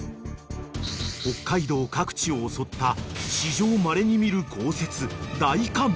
［北海道各地を襲った史上まれに見る］